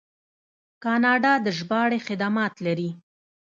کاناډا د ژباړې خدمات لري.